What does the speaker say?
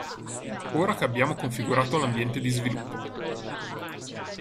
Ora che abbiamo configurato l'ambiente di sviluppo.